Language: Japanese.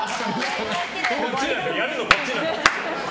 やるのこっちなんだ。